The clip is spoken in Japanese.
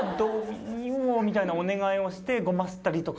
みたいなお願いをして。